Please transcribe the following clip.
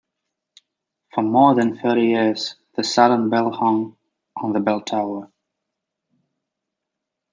For more than thirty years, the silent bell hung on the bell tower.